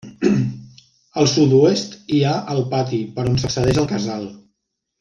Al sud-oest hi ha el pati per on s'accedeix al casal.